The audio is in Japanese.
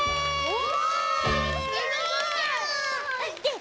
お！